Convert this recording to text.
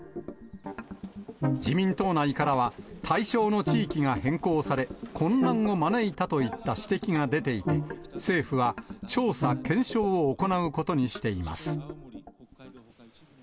自民党内からは対象の地域が変更され、混乱を招いたといった指摘が出ていて、政府は調査・検証を行うことにしています。